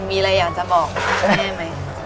มีอะไรอยากจะบอกแม่ไหม